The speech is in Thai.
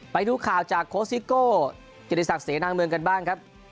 ไปดูข่าวจากโค้ชซิโก้เกียรติศักดิเสนางเมืองกันบ้างครับ